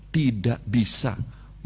tidak bisa menguntungkan